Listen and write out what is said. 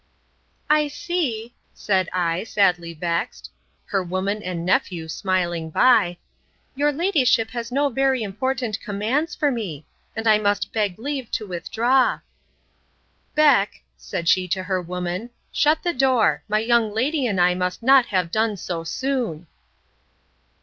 I see, said I, sadly vexed, (her woman and nephew smiling by,) your ladyship has no very important commands for me; and I beg leave to withdraw. Beck, said she to her woman, shut the door, my young lady and I must not have done so soon.